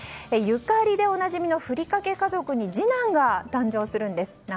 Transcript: ゆかりでおなじみのふりかけ家族に次男が誕生するんです。